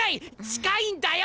近いんだよ！